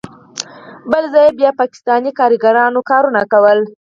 بل ځای بیا پاکستانی کاریګرانو کارونه کول.